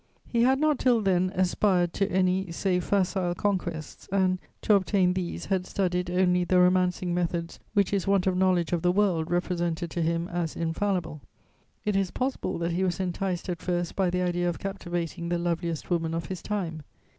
"He had not, till then, aspired to any save facile conquests and, to obtain these, had studied only the romancing methods which his want of knowledge of the world represented to him as infallible. It is possible that he was enticed at first by the idea of captivating the loveliest woman of his time.